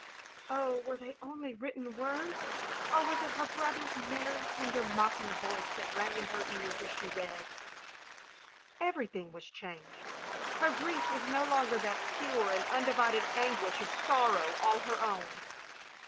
'' Oh, were they only written words, or was it her brother's merry, tender, mocking voice that rang in her ears as she read? Everything was changed. Her grief was no longer that pure and undivided angtiish of sorrow all her own.